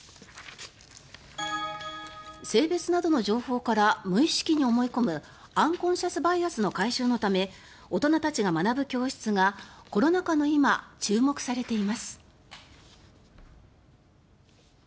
性別などの情報から無意識に思い込むアンコンシャス・バイアスの解消のため大人たちが学ぶ教室がコロナ禍の今注目されています。